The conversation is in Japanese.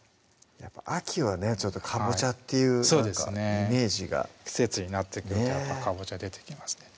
やっぱ秋はねちょっとかぼちゃっていうイメージが季節になってくるとやっぱかぼちゃ出てきますね